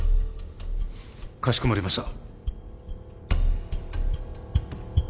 かしこまりました。